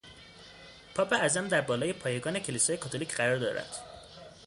پاپ اعظم در بالای پایگان کلیسای کاتولیک قرار دارد.